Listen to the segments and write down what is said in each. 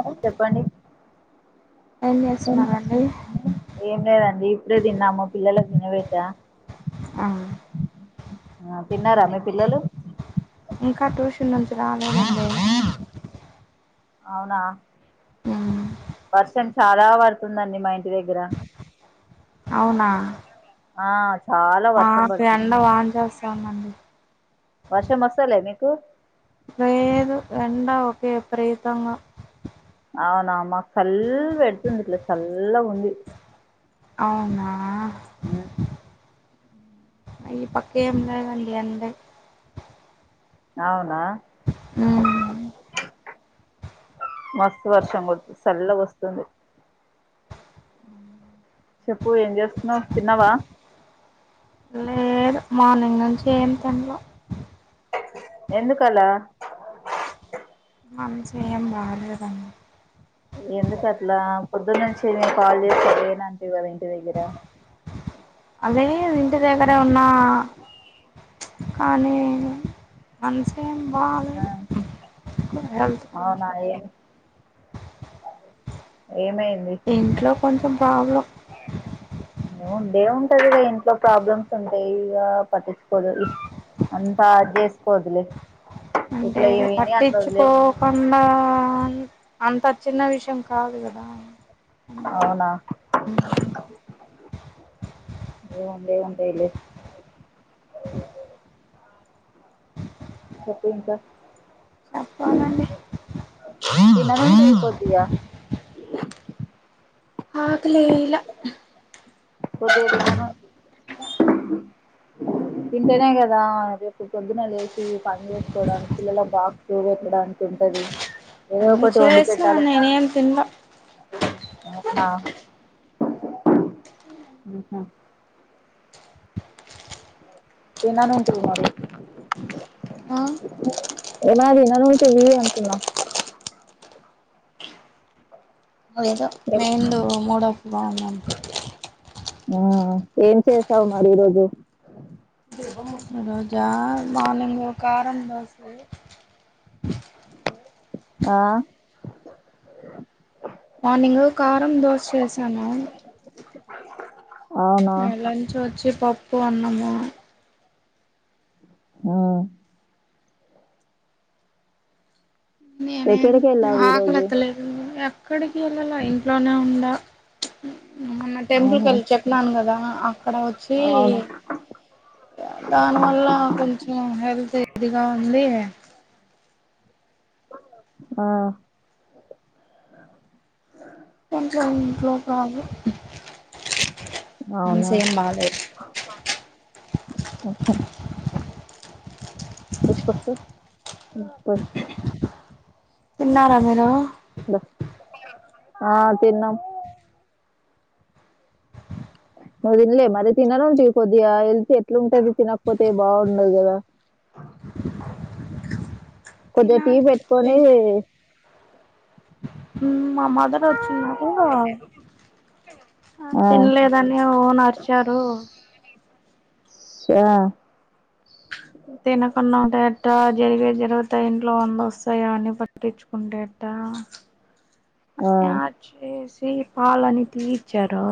ఆ చెప్పండి ఏం చేస్తున్నారు ఏం లేదండి ఇప్పుడే తిన్నాము పిల్లలకి తినబెట్టా ఆహా ఆ తిన్నారా మీ పిల్లలు ఇంకా ట్యూషన్ నుంచి రాలేదండి అవునా మ్మ్ వర్షం చాలా పడుతుందండి మా ఇంటి దగ్గర అవునా ఆ చాలా వర్షం మాకు పడుతుంది ఎండ వాన్ చేస్తాందండి వర్షం వస్తాలే మీకు లేదు ఎండ ఉకే విపరీతంగా అవునా మాకు చల్ల్ పెడుతుంది ఇట్లా చల్లగుంది అవునా ఉమ్, అ ఈపక్క ఏం లేదండి ఎండే అవునా ఉమ్మ్ మస్తు వర్షం కొడుతు చల్లగ వస్తుంది చెప్పు ఏం చేస్తున్నావు తిన్నావా లేదు మార్నింగ్ నుంచి ఏం తిన్ల ఎందుకలా మనసేం బాలేదండి ఎందుకు అట్లా పొద్దున్న నుంచి నేను కాల్ చేస్తా లేనన్టివి కదా ఇంటి దగ్గర అదే ఇంటి దగ్గర ఉన్న కానీ మనసేమ్ బాలేదు ఆ హెల్త్ అవునా కొంచెం ఏం ఏమైంది ఇంట్లో కొంచెం పాబ్లం ఉండే ఉంటదిగా ఇంట్లో ప్రాబ్లమ్స్ ఉంటాయి ఇగా పట్టిం కొదు అంతా అజేస్కోద్ లే అంటే పట్టించుకో కుండా అంత చిన్న విషయం కాదు కదా అందువల్ల అవునా ఏందే ఉంటె ఉంటాయిలే చెప్పింకా చెప్పాలండి తినకుంటే అయిపోతాయా ఆకలి వేయల్ల కొద్ధిగ తినను తింటేనే కదా రేపు పొద్దున లేచి పని చేసుకోవడానికి పిల్లలకు బాక్ చూపెట్టడానికి ఉంటది ఏదో అన్నీ ఒకటి వండి చేసా పెట్టాలి నేనేం తినలా ఊన్న ఆహ తిన్నానంటివే మరీ ఆ ఏమన్న తినను అంటివి అంటున్నా ఏందో మెయిందు మూడప్ బాగుండాలి ఆ ఏం చేసావు మరి ఈ రోజు ఈ రోజా మార్నింగా కారం దోస ఆ మార్నింగ్ కారం దోశ చేసాను అ లంచ్ వచ్చి పప్పు అన్నము ఆ ఎక్కడికి వెళ్ళావు ఈరోజు ఆకలెత్తలేదండి ఎక్కడికి వెళ్ళాల ఇంట్లోనే ఉండ టెంపుల్ ఆహా కెళ్ళి చెప్పినాను కదా అక్కడ వచ్చి అవును దాని వల్ల కొంచెం హెల్త్ ఇదిగా ఉంది ఆ ఇట్లో ఇంట్లో ప్రాబ్లం అవునా మనసెం బాలేదు [inaudible] బస్కోస్తావ్ ప తిన్నారా మీరు ఆ తిన్నాం నువ్వు తిన్లే మరీ తినాలంట కొద్దిగా ఎల్త్ ఎట్లా ఉంటది తినకపోతే బాగుండదు కదా [inaudible] కొద్దిగ టీ తినాలి పెట్టుకొని తింట మా మదర్ వచ్చిన్నారు ఆ తిన్లేదు ద్దనే ఓన్ అరిచారు చా తినకుంన్నా ఉంటె ఎట్టా. జరిగే జరుగుతాయి. ఇంట్లో వంద వస్తాయి, అన్ని పట్టించుకుంటె ఎట్టా. ఆ ఆయా చేసి పాలని తీయిచ్చారా.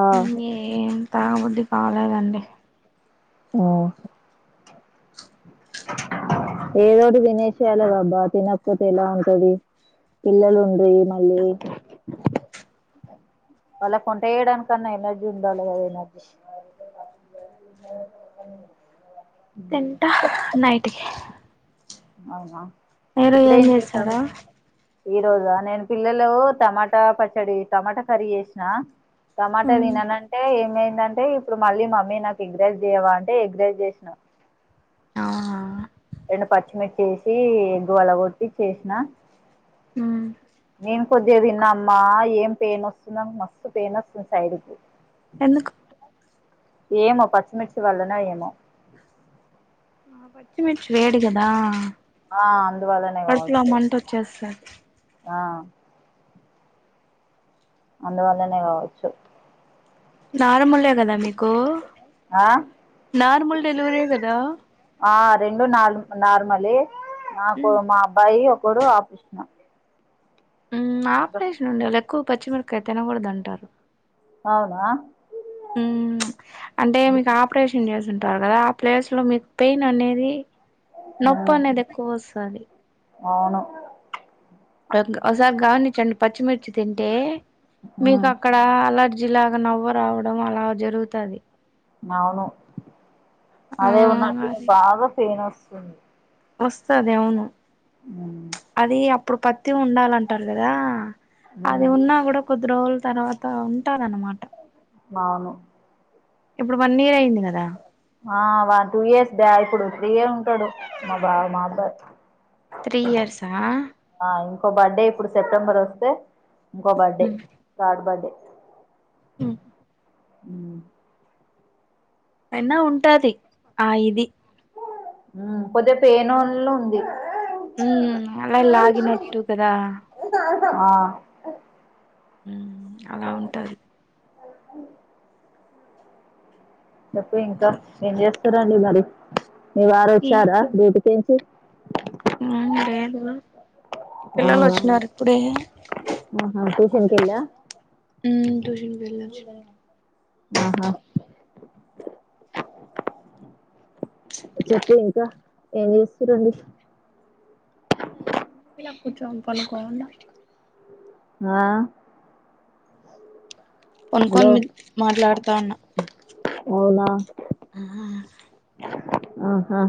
ఆ ఇంగేమ్ తాగబుద్ధి కాలేదు అండి. ఉహ్ ఏదోటి దినేచెయాలి అబ్బా తినకపోతే ఎలా ఉంటది. పిల్లలు ఉండ్రి మళ్ళీ. అల్లాక్ వంట ఏయడానికన్నా ఎనర్జీ ఉందా లేదా ఈ మధ్య. తింటా నైట్ కే అవునా మీరు ఇప్పుడు ఏం చేసావ్. చేశారా ఈ రోజా నేను పిల్లలు టమాటా పచ్చడి టమాటా కర్రీ యేశనా. టమాటా తిననంటే ఏమైందంటే ఇప్పుడు మళ్ళీ మమ్మీ నాకు ఎగ్ రైస్ జేయవా అంటే ఎగ్ రైస్ జేశనా. అవునా రెండు పచ్చిమిర్చి ఏసి ఎగ్గు వలగొట్టి చేశనా. నా నేన్ కొద్ది గా తిన్నా అమ్మా ఏం పెయిన్ వస్తుంద్ మస్తు పెయిన్ వస్తుంది సైడుకు. ఎందుకు ఏమో పచ్చిమిర్చి వల్లన ఏమో ఆ పచ్చిమిర్చి వేడి కదా ఆ అందువల్లనే పడుపులో కావచ్చు మంట వచ్చేస్తది. ఆ అందువల్లనే కావచ్చు. నార్మలే కదా మీకు, ఆ నార్మల్ డెలివరీ కదా. ఆ రెండు నాలు నార్మలే నాకు మా అబ్బాయి ఒకడు ఆపరేషను. ఉ ఆపరేషన్ ఉండే వాళ్ళు ఎక్కువ పచ్చిమిరకాయయి తినకూడదు అంటారు. అవునా ఉ అంటే మీకు ఆపరేషన్ చేసింటారు కదా. ఆ ప్లేస్లో మీకు పెయిన్ అనేది. నొప్ మ్మ్ అనేది ఎక్కువ వస్తది. అవును కోర్గ్ ఒకసారి గావనిచండి, పచ్చిమిర్చి తింటే. మీకు మ్మ్ అక్కడ అలర్జీ లాగా నవ్వ రావడం అలా జరుగుతది. మావును ఆ అదే ఉన్నట్టు ఉంది బాగా పెయిన్ వసుది. వసది అవును, మ్మ్ అది అప్పుడు పత్తి ఉండాలంటారు గదా. అది మ్మ్ ఉన్నా గూడా కొద్ది రోజుల తర్వాత ఉంటాద్ అనమాటా. మావును ఇప్పుడు వన్ ఇయర్ అయింది గదా. ఆ వా టూ ఇయర్స్ బ్యా ఇప్పుడు త్రీయే ఉంటాడు మా బాబ మా అబ్బాయ్. త్రీ ఇయర్స్ ఆ ఆ ఇంకో బర్త్డే ఇప్పుడు సెప్టెంబర్ వస్తే, ఇంకో బర్త్డే థర్డ్ బర్త్డే. ఉహుహ్ హు్ అయినా ఉంటాది ఆ ఇది ఉ కొద్ది పేనోలో ఉంది. ఉ అలా లాగినట్టు కదా. ఆ ఉహ్ అలా ఉంటది. చెప్పు ఇంకా ఏం చేస్తారండి మరి మీ వారు వచ్చారా డ్యూటీ కి మా ఆయన లేడు పిల్లలు అవునా వచ్చినారు ఇప్పుడే ఆహా ట్యూషన్ కి వెళ్ళా హ్మ్ ట్యూషన్ కి వెళ్లొచ్చి ఆహా చెప్పు ఇంకా ఏం చేస్తారండి ఇలా కూర్చొని పనుకొని ఉన్న ఆ హలో పనుక్కొని మాట్లాడుతా ఉన్నా అవునా ఆహా ఆహా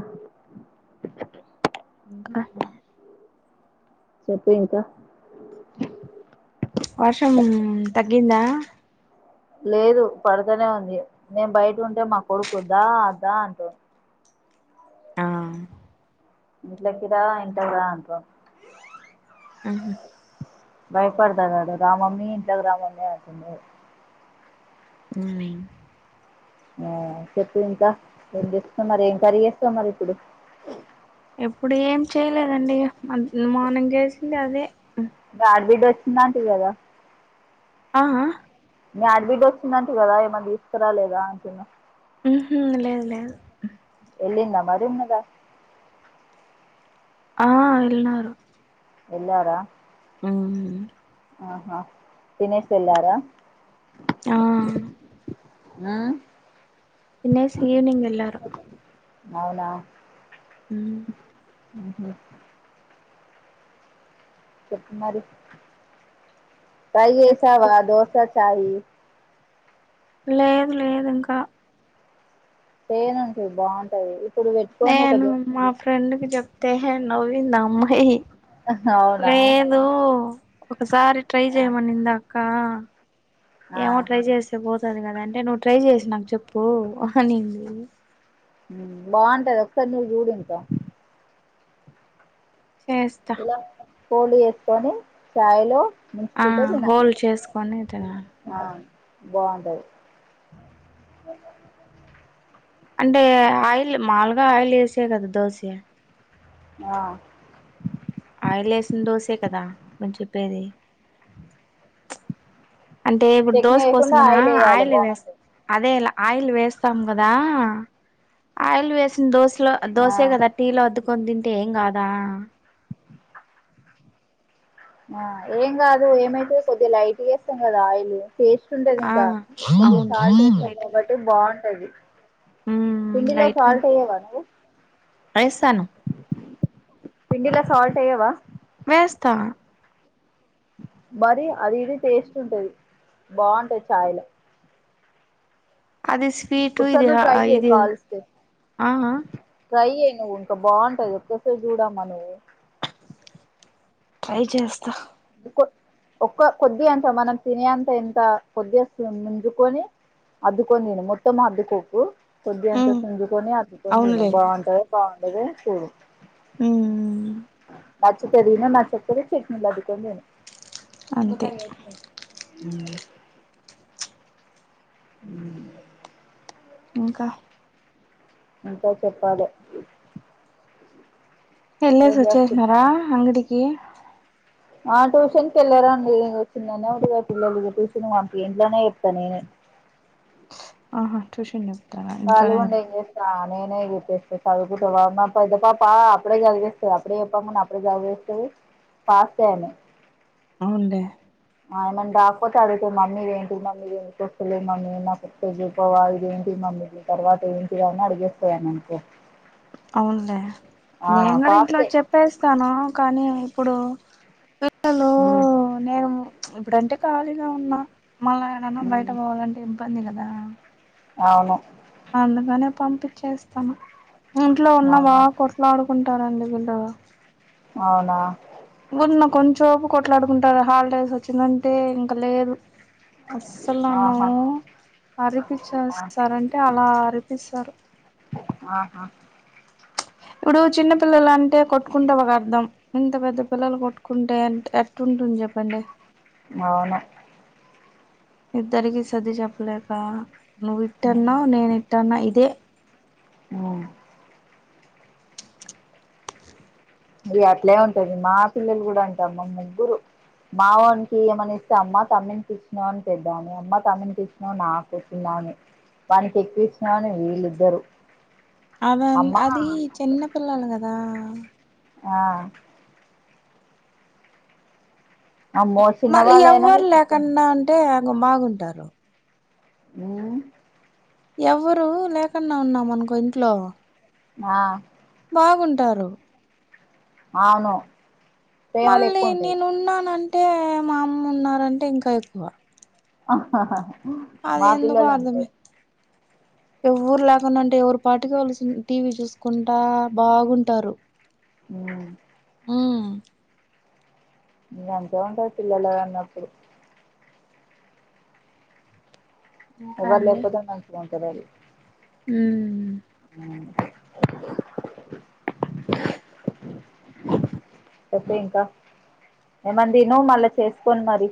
ఇంకా చెప్పు ఇంకా వర్షం తగ్గిందా లేదు పడుతనే ఉంది నేను బయట ఉంటే మా కొడుకు దా దా అంటు ఆ ఇంట్లోకి రా ఇంట్లోకి రా అంటు ఆహా భయపడుతున్నాడు రా మమ్మీ ఇంట్లోకి రా మమ్మీ అంటున్నాడు హ్మ్ హ్మ్ చెప్పు ఇంకా ఏం చేస్తున్నారు ఏం కర్రీ చేస్తావు మరి ఇప్పుడు ఇప్పుడు ఏం చేయలేదండి మన మార్నింగ్ చేసిందే అదే ఆడబిడ్డ వచ్చింది అంటివి కదా ఆ ఆ మీ ఆడబిడ్డ వచ్చిందంటివి కదా ఏమన్నా తీసుకురాలేదా అంటున్నా ఉహు లేదు లేదు ఎల్లింద మరి ఉన్నదా ఆ వెళ్ళినారు ఎల్లారా హ్మ్ ఆహా తినేసి వెళ్లారా ఆ ఆ తినేసి ఈవినింగ్ వెళ్లారు అవునా హ్మ్ ఆహా చెప్పు మరి ట్రై చెప్పు చేసావా దోశ చాయ్ ఈ లేదు లేదు ఇంకా తేనె ఉంటే బావుంటది నేను మా ఫ్రెండ్ కి చెప్తే నవ్వింది అమ్మాయి అవునా లే నువ్వు ఒకసారి ట్రై ఆ చేయమనింది అక్క ఆ ఏమో ట్రై చెస్ తే పోతది కదా అంటే నువ్వు ట్రై చేసి నాకు చెప్పు అనింది ఉమ్ బాంటది ఒకసారి నువ్వు చూడు ఇంకా చేస్తా ఇలా ఫోల్డ్ చేసుకోని ఛాయిలో ఆ ముంచుకుంటు తినాలి, హోల్ చేసుకొని తినాలి ఆ బాగుంటది అంటే ఆయిల్ మాల్ గా ఆయిల్ ఏసే కదా దోశ ఆ ఆయిల్ ఏసిన దోసె కదా, నువ్వు చెప్పేది? అంటే ఇప్పుడు చట్నీ దోశ పోసి వేయకుండా మనం వేయాలి ఆయిల్ వేస్ బాగుంటది అదేలా ఆయిల్ వేస్తాం కదా, ఆయిల్ వేసిన దోశ ట్లో ఆ దోసే కదా టీలో అద్దుకొని తింటే ఏం కాదా? ఆ ఏం కాదు ఏమైతది, కొద్దిగా లైట్ వేస్తం కదా ఆయిల్ ఫేస్ తుండేది ఆ ఇంకా, కొద్దిగా అవును సాల్ట్ వేస్తాము లైట్గా కాబట్టి బాగుంటది. ఉమ్ పిండిలో సాల్ట్ వెయ్యవా నువ్వు? ఏస్తాను. పిండిలో సాల్ట్ ఎయ్యవా? వేస్తా మరి అది ఇది టేస్ట్ ఉంటది, బాగుంటది చాయ్లో. అది స్వీటు ఒకసారి ఇది నువ్వు హా ట్రై చెయ్ ఇది కాలిస్తే ఆహ ట్రై చెయ్యి నువ్వు ఇంకా బాగుంటది, ఒక్కసారి చూడమా నువ్వు. ట్రై చేస్తా. ఒక ఒక్క కొద్ది అంత మనం తినే అంత ఎంత కొద్దిగా స్పూన్ ముంజుకొని అద్దుకొని తిను మొత్తము అద్దుకోకు. కొద్దిగ అంత ఉమ్ చించుకొని అద్దుకొని తిను, అవునులే బాగుంటదో బాగుండదో చూడు. ఉమ్ నచ్చితే తిను, నచ్చకపోతే చట్నీలో అద్దుకొని తిను. అంతే ఉమ్ ఉమ్ ఇంకా ఇంకా చెప్పాలె. ఏం వెల్లేసి వచ్చేసినారా చేస్తున్నావు అంగడికి? ఆ ట్యూషన్కి ఎళ్ళ రండి, ఇగో చిన్న ఉడుగా పిల్ల ట్యూషన్ పంపి ఇంట్లోనే చెప్స్తా నేనే ఆహా ట్యూషన్ చెప్ చెప్తారా కాలి ఇంట్లోనే గుండేమ్ ఏం చేస్ తా నేనే చెప్పేస్త, ఫైవ్ కి తర్వాత మాద్ద పాపా అప్పుడే చదివేస్తది, అప్పుడే చెప్ప మన్ అప్పుడే చదివేస్ పాస్తాను. అవుండి ఆ నేను రాకపోతే అడుగుతది, మమ్మీ ఇది ఏంటి మమ్మీ? ఇది ఏంటిది, వస్తలేదు మమ్మీ నాకు తెజుకోవా ఇదేంటి మమ్మీ, తర్వాత ఏంటిదని అని అడిగేస్తదండి అంతే అవునులే, నేను ఆ గుడ ఇంట్లో ఫాస్టే చెప్ ప్పేస్తాను కానీ ఇప్పుడు పిలలు ఉమ్ నేను ప్చ్ ఇప్పుడంటే ఖాళీగా ఉన్నా, మళ్ళా ఎడన్నా బయట మ్మ్ పోవాలంటే ఇబ్బంది కదా. ఆవును అందుకనే పంపించేస్తాను, ఇంట్లో ఉన్న వా అవునా కు ఎలా ఆడుకుంటారండి పిల్లలు. అవునా ఉన్న కొంచోపు కొట్లాడుకుంటారు హాలిడేస్ వచ్చిందంటే ఇంక లేదు. అస్సలు నన్ను ఆహా ఆ అరిపించేస్తారంటే అలా అరిపిస్తారు. ఆహా ఇప్పుడు చిన్న పిల్లలు అంటే కొట్టుకుంటే ఒక అర్థం. ఇంత పెద్ద పిల్లలు కొట్టుకుంటే ఎట్ ఎట్టుంటుంది చెప్పండి. అవును. ఇద్దరికి సర్ది చెప్పలేకా నువ్వు ఇట్టన్నావు నేను ఇట్టన్నా ఇదే. అవును ఇగ అట్లే ఉంటది మా పిల్లలు కూడా అంతే అమ్మా ముగ్గురు. మా వోనికి ఏమన్నా ఇస్తే అమ్మా తమ్మునికి ఇచ్చినవా అని పెద్దామే. అమ్మ తమ్మునికి ఇచ్చినవు నాకు చిన్నామే. వానికి ఎక్కువ ఇచ్చినా అని వీళ్ళిద్దరు. అద అమ్మా అది చిన్నపిల్లలు కదా. ఆ అమ్మో మళ్ళీ చిన్నవాళ్ళయినా ఎవ్వరు విచిత్రం లేకుండా ఉంటే బాగుంటారు. హ్ ఎవ్వరు లేకుండా ఉన్నాం అనుకో ఇంట్లో ఆ బాగుంటారు. అవును ప్రేమలు మళ్ళీ ఎక్కువ ఉంటాయి నేనున్నానంటే మా అమ్మ ఉన్నారంటే ఇంకా ఎక్కువ. అహాహా అది ఎందుకో అర్థమయి ఎవ్వరు లేకుండా ఉంటే ఎవరు పాటికి సి వాళ్ళు టీవీ చూసుకుంటా బాగుంటారు. హ్ మ్ ఇగ అంతే ఉంటది పిల్లలు అన్నప్పుడు. ఇంకా ఎవ్వరు అండి లేకపోతే మంచిగ ఉంటరాళ్లు. హ్మ్ అ చెప్పే ఇంకా ఏమన్ తిను మళ్ళా చేసుకొని మరి.